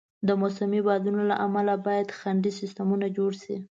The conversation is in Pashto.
د موسمي بادونو له امله باید خنډي سیستمونه جوړ شي.